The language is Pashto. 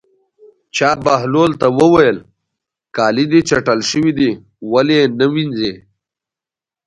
چا بهلول ته وویل: کالي دې چټل شوي دي ولې یې نه وینځې.